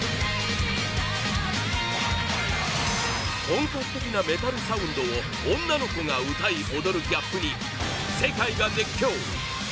本格的なメタルサウンドを女の子が歌い踊るギャップに世界が熱狂！